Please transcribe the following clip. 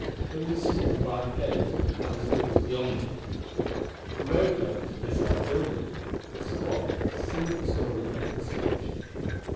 There was a small, barred gate in the palace walls beyond it. The road led to this other building a squat, single storied metal structure.